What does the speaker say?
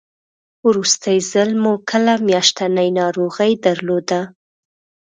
وروستی ځل مو کله میاشتنۍ ناروغي درلوده؟